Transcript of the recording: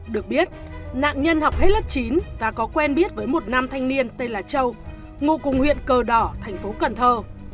được biết nạn nhân học hết lớp chín và có quen biết với một nam thanh niên tên là châu ngụ cùng huyện cờ đỏ thành phố cần thơ